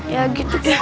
ya gitu deh